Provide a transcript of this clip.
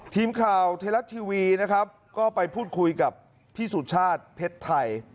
ทีมข่าวไทยรัฐทีวีนะครับก็ไปพูดคุยกับพี่สุชาติเพชรไทย